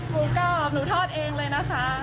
หมูกรอบหนูทอดเองเลยนะคะ